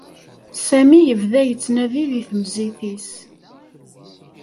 Sami yebda yettnadi deg temzit-is.